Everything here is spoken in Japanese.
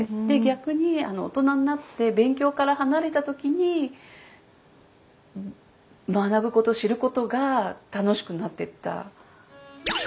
で逆に大人になって勉強から離れた時に学ぶこと知ることが楽しくなっていった。